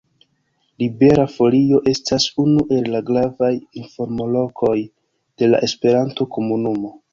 Libera Folio estas unu el la gravaj informlokoj de la esperanto-komunumo.